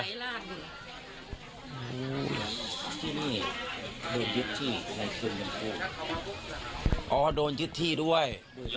อ๋อโดนยึดที่อ๋อโดนยึดที่ด้วย